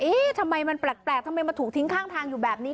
ทำไมมันแปลกทำไมมาถูกทิ้งข้างทางอยู่แบบนี้